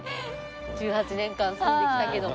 １８年間住んできたけども。